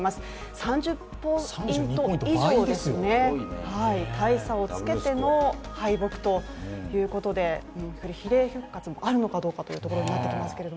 ３０ポイント以上ですね大差をつけての敗北ということで比例復活もあるのかということになってきます。